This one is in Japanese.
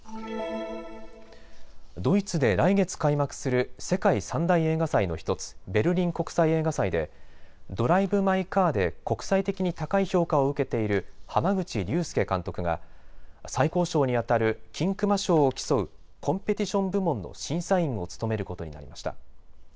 ドイツで来月開幕する世界三大映画祭の１つベルリン国際映画祭でドライブ・マイ・カーで国際的に高い評価を受けている濱口竜介監督が最高賞にあたる金熊賞を競うコンペティション部門の審査員を務めることになりました。